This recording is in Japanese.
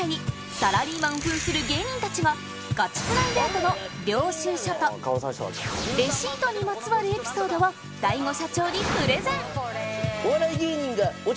サラリーマン扮する芸人たちがガチプライベートの領収書とレシートにまつわるエピソードをこれ４万払う。